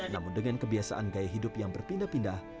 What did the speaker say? namun dengan kebiasaan gaya hidup yang berpindah pindah